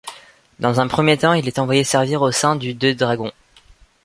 Dans un premier temps, il est envoyé servir au sein du de dragons.